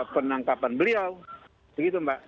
penangkapan beliau begitu mbak